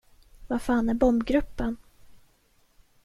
Var fan är bombgruppen?